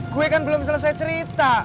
gue kan belum selesai cerita